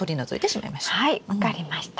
はい分かりました。